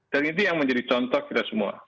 dan itu yang menjadi contoh kita semua